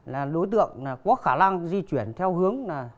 là đối tượng có khả năng di chuyển theo hướng là